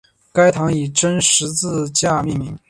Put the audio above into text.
该堂以真十字架命名。